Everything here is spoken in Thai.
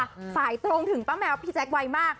สายตรงถึงป้าแมวพี่แจ๊คไวมาก